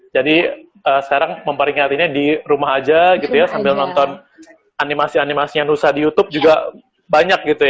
jadi sekarang memperingatinya di rumah aja gitu ya sambil nonton animasi animasi yang rusak di youtube juga banyak gitu ya